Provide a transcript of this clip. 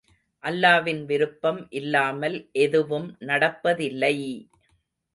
அல்லாவின் விருப்பம் இல்லாமல் எதுவும் நடப்பதில்லை!